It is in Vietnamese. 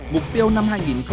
mục tiêu năm hai nghìn hai mươi